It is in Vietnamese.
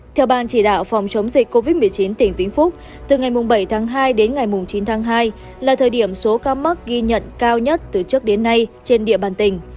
theo ban chỉ đạo phòng chống dịch covid một mươi chín tỉnh vĩnh phúc từ ngày bảy tháng hai đến ngày chín tháng hai là thời điểm số ca mắc ghi nhận cao nhất từ trước đến nay trên địa bàn tỉnh